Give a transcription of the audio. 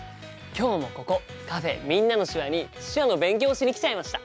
今日もここカフェ「みんなの手話」に手話の勉強をしに来ちゃいました！